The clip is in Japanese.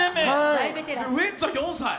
ウエンツは４歳？